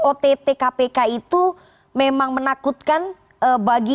ott kpk itu memang menakutkan bagi